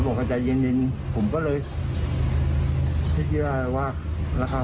ก็คือเราก็ป้องกันตัวเข้ามาต่อยแล้วก่อน